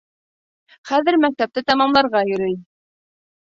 Хәҙер мәктәпте тамамларға йөрөй.